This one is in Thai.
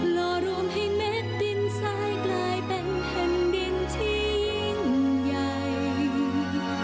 รอรวมให้เม็ดดินทรายกลายเป็นแผ่นดินชิ้นใหญ่